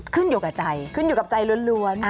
ขึ้นอยู่กับใจขึ้นอยู่กับใจล้วน